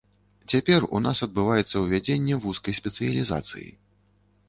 Цяпер у нас адбываецца ўвядзенне вузкай спецыялізацыі.